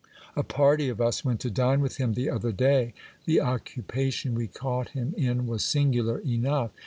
A party of us went to dine with him the other day. The occupation we caught him in was singular enough.